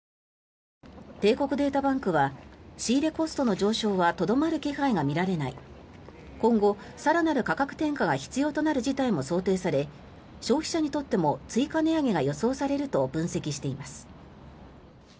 帝国データバンクは仕入れコストの上昇はとどまる気配が見られない今後、更なる価格転嫁が必要となる事態も想定され消費者にとっても追加値上げが予想されると分析しています。